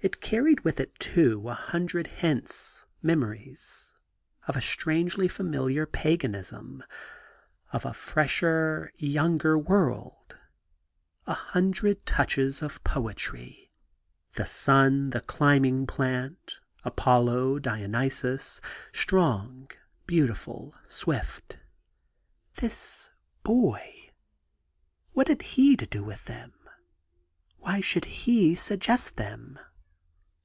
It carried with it, too, a hundred hints, memories, of a strangely familiar paganism, of a fresher, younger world ; a hundred touches of poetry : 58 THE GARDEN GOD — the sun, the climbing plant: Apollo, Dionysus: — strong, beautiful, swift. This boy !— ^what had he to do with them ? Why should he suggest them